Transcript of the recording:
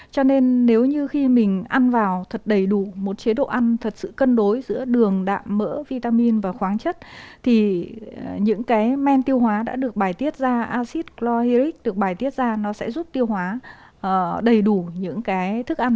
cho nên nếu như khi mình ăn vào thật đầy đủ một chế độ ăn thật sự cân đối giữa đường đạm mỡ vitamin và khoáng chất thì những cái men tiêu hóa đã được bài tiết ra acid chlorhic được bài tiết ra nó sẽ giúp tiêu hóa đầy đủ những cái thức ăn